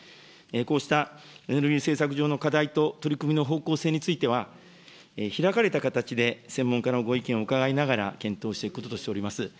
こうしたエネルギー政策上の課題と取り組みの方向性については、ひらかれた形で専門家のご意見を伺いながら検討していくこととしております。